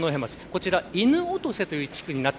こちら犬落瀬という地区です。